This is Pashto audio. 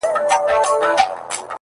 د څڼور سندرې چي په زړه کي اوسي~